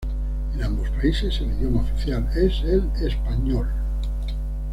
En ambos países el idioma oficial es el español.